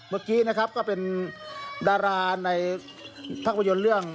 เมื่อกี้นะครับก็เป็นดาราในภาพยนตร์เรื่อง